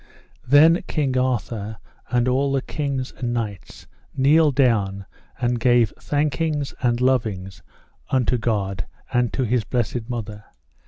Then King Arthur and all the kings and knights kneeled down and gave thankings and lovings unto God and to His Blessed Mother.